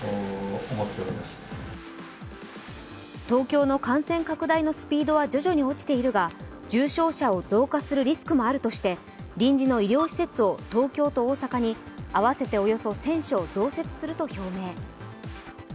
東京の感染拡大のスピードは徐々に落ちているが重症者が増加するリスクもあるとして臨時の医療施設を東京と大阪に合わせておよそ１０００床増設すると表明。